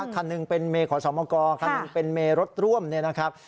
คันหนึ่งเป็นเมย์ขอสมกคันหนึ่งเป็นเมรถร่วมเนี่ยนะครับ